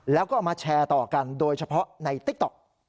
แล้วก็เอามาแชร์ต่อกันโดยเฉพาะในติ๊กต๊อก